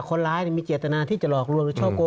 คนร้ายมีเจตนาที่จะหลอกรวมรุชโชโก